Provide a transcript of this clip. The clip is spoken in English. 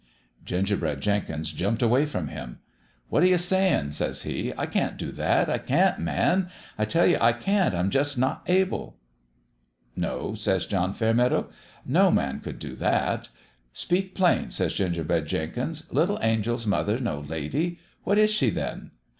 " Gingerbread Jenkins jumped away from him. 'What you say in'?' says he. 'I can't do that! I can't ! Man, I tell you I carit ! I'm jus' not able.' "' No/ says John Fairmeadow ;' no man could do that. 1 "' Speak plain/ says Gingerbread Jenkins. ' Little Angel's mother no lady ? What is she then?'